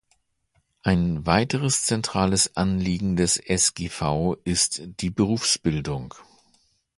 Ein weiteres zentrales Anliegen des sgv ist die Berufsbildung.